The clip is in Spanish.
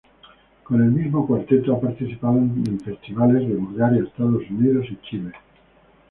Con el mismo cuarteto ha participado en festivales en Bulgaria, Estados Unidos y Chile.